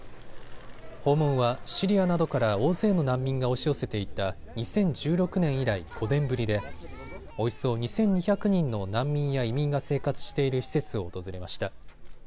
訪問はシリアなどから大勢の難民が押し寄せていた２０１６年以来、５年ぶりでおよそ２２００人の難民や移民が生活している施設を訪れました。